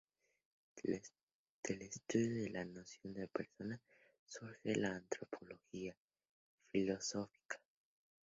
Del estudio de la noción de persona surge la Antropología filosófica.